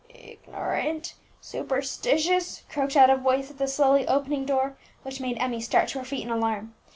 "Ignorant superstitious!" croaked out a voice at the slowly opening door, which made Emmie start to her feet in alarm.